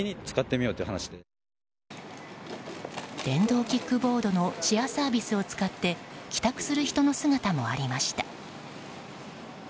電動キックボードのシェアサービスを使って帰宅する人の姿もありました。